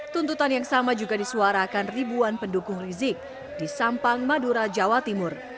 tuntutan yang sama juga disuarakan ribuan pendukung rizik di sampang madura jawa timur